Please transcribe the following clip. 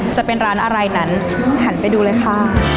จะเป็นร้านอะไรนั้นหันไปดูเลยค่ะ